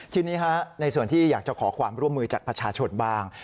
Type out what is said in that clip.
ทีนี้ในส่วนที่อยากจะขอความร่วมมือจากประชาชนบ้าง